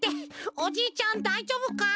おじいちゃんだいじょうぶか？